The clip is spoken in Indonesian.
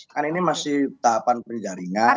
kan ini masih tahapan penjaringan